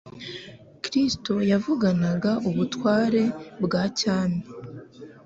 Kristo yavuganaga ubutware bwa cyami :